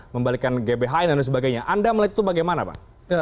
membalikan gbh dan lain sebagainya anda melihat itu bagaimana pak